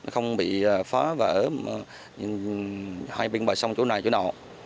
không bị phá vỡ hay biên bài sông chỗ này chỗ nọ